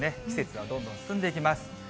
季節はどんどん進んでいきます。